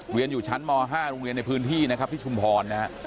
เรียนอยู่ชั้นม๕โรงเรียนในพื้นที่นะครับที่ชุมพรนะฮะ